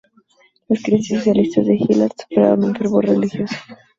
Las creencias socialistas de Hilliard superaron su fervor religioso.